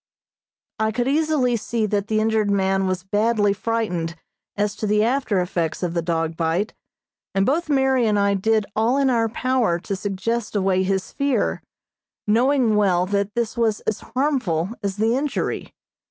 I could easily see that the injured man was badly frightened as to the after effects of the dog bite, and both Mary and I did all in our power to suggest away his fear, knowing well that this was as harmful as the injury.